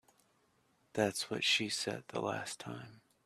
That's what she said the last time.